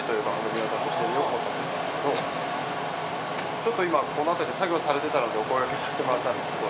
ちょっと今この辺り作業されてたのでお声がけさせてもらったんですけど。